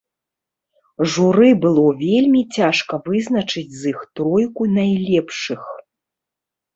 Журы было вельмі цяжка вызначыць з іх тройку найлепшых.